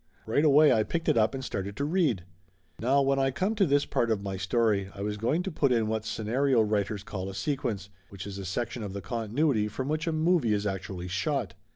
Right away I picked it up and started to read. Now when I come to this part of my story I was going to put in what scenario writers call a sequence, which is a section of the continuity from which a movie is actually shot.